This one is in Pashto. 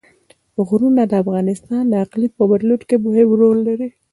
غرونه د افغانستان د اقلیم په بدلون کې مهم رول لري.